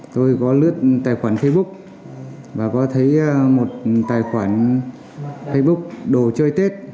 tôi có lướt tài khoản facebook và có thấy một tài khoản facebook đồ chơi tết